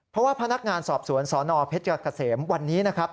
เพราะว่าพนักงานสอบสวนสนเพชรเกษมวันนี้นะครับ